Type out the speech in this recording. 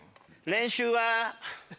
練習は。